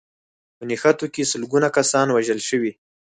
په نښتو کې سلګونه کسان وژل شوي